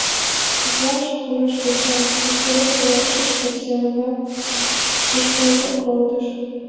Коклаш пурыш Эчан, ваштарешыже шӱшпык семынак шӱшкалтен колтыш.